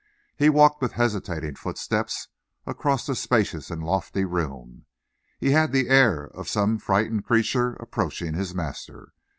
He walked with hesitating footsteps across the spacious and lofty room. He had the air of some frightened creature approaching his master.